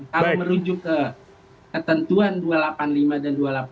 kalau merujuk ke ketentuan dua ratus delapan puluh lima dan dua ratus delapan puluh